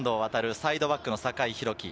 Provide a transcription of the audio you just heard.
サイドバックの酒井宏樹。